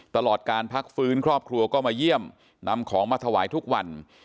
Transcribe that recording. ตลอดการพักฟื้นครอบครัวก็มาเยี่ยมนำของมาถวายทุกวัน